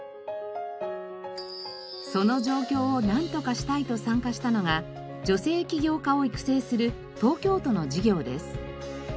その状況をなんとかしたいと参加したのが女性起業家を育成する東京都の事業です。